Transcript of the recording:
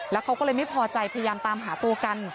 แล้วเขาก็เลยไม่พอใจพยายามตามหาตัวกัน